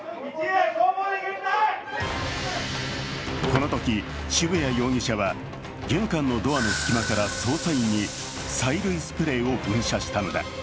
このとき、渋谷容疑者は玄関のドアの隙間から捜査員に催涙スプレーを噴射したのだ。